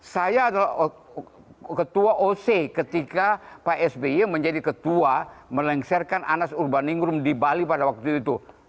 saya adalah ketua oc ketika pak sby menjadi ketua melengsarkan anas urbaningrum di bali pada waktu itu